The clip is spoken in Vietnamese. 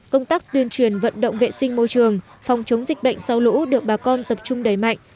công tác tuyên truyền vận động vệ sinh môi trường phòng chống dịch bệnh sau lũ được bà con tập trung đẩy mạnh